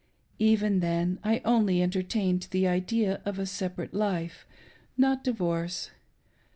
Even then I only entertained the idea of a separate life — not divorce.